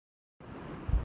یہ وہی جانتے ہوں۔